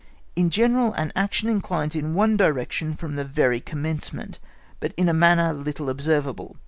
In general, an action inclines in one direction from the very commencement, but in a manner little observable.